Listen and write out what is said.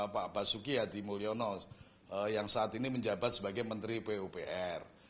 pak basuki hadi mulyono yang saat ini menjabat sebagai menteri pupr